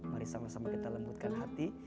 mari sama sama kita lembutkan hati